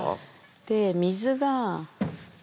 で水が。